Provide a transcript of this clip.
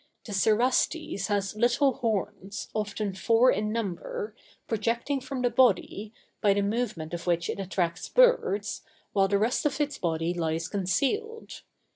The cerastes has little horns, often four in number, projecting from the body, by the movement of which it attracts birds, while the rest of its body lies concealed.